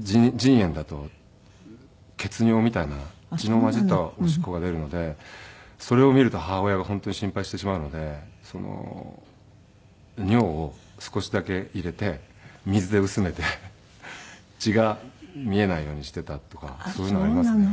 腎炎だと血尿みたいな血の混じったオシッコが出るのでそれを見ると母親が本当に心配してしまうので尿を少しだけ入れて水で薄めて血が見えないようにしていたとかそういうのはありますね。